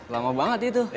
lama banget itu